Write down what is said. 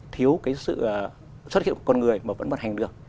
thiếu cái sự xuất hiện của con người mà vẫn vận hành được